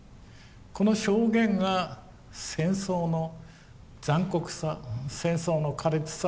この証言が戦争の残酷さ戦争の苛烈さを一番的確に語る。